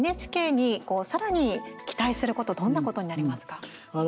ＮＨＫにさらに期待することどんなことになりますか？